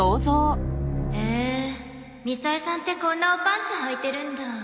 ええみさえさんってこんなおパンツはいてるんだ。